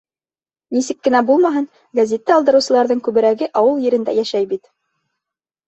Нисек кенә булмаһын, гәзитте алдырыусыларҙың күберәге ауыл ерендә йәшәй бит.